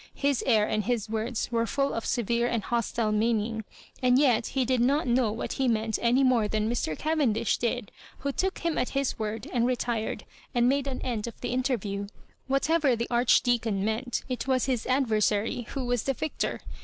His air and his words were full of severe and hostile meaning, and yet he did not know what he meant any more than Mr. Cavendish did, who took him at his word, and retired, and made an end of the inter view. Whatever the Arehdeaoon meant, it was his adversary who was the victor.